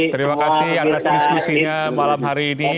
terima kasih atas diskusinya malam hari ini